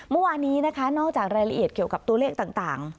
เมื่อวานนี้นะคะนอกจากรายละเอียดเกี่ยวกับตัวเลขต่าง